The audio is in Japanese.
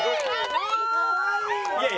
かわいい！